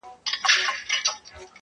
چي کله به کړي بنده کورونا په کرنتین کي!